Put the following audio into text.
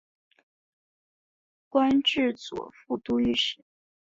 官至左副都御史。